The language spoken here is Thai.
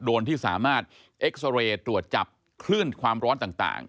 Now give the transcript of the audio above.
ที่สามารถเอ็กซาเรย์ตรวจจับคลื่นความร้อนต่าง